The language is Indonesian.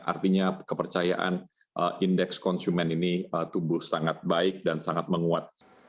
artinya kepercayaan indeks konsumen ini tumbuh sangat baik dan sangat menguat